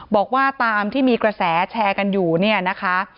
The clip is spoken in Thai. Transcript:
บอกว่าตามที่มีกระแสแชร์กันอยู่เนี่ยนะคะ